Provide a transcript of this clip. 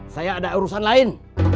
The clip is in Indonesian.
saya ada urusan lain